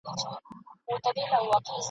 او دا غزل مي ولیکل ..